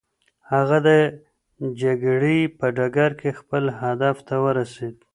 هغه د جګړې په ډګر کې خپل هدف ته ورسېد.